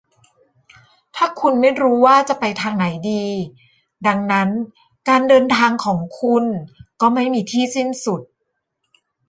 ถ้าคุณไม่รู้ว่าจะไปทางไหนดี ดังนั้นการเดินทางของคุณก็ไม่มีที่สิ้นสุด